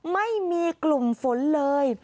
ไม่มีกลุ่มฝนเลย